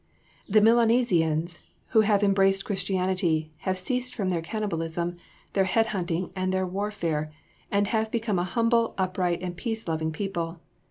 The Milanesians who have embraced Christianity have ceased from their cannibalism, their head hunting, and their warfare, and have become an humble, upright, and peace loving people.